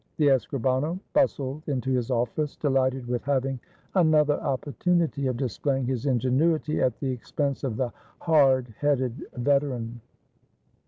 The escribano bustled into his office, delighted with having another opportunity of displaying his ingenuity at the expense of the hard headed veteran.